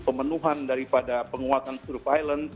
pemenuhan daripada penguatan suruf island